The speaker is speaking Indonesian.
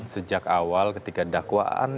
sejak awal ketika dakwaan